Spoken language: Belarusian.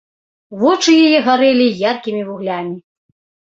Вочы яе гарэлі яркімі вуглямі.